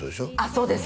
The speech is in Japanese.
そうです